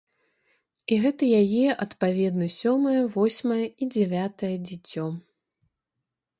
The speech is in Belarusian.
І гэта яе, адпаведна, сёмае, восьмае і дзявятае дзіцё!